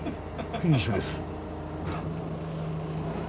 フィニッシュです。